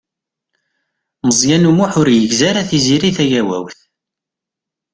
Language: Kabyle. Meẓyan U Muḥ ur yegzi ara Tiziri Tagawawt.